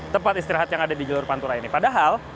tempat istirahat yang ada di jalur pantura ini padahal